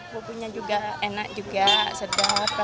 bumbunya juga enak sedap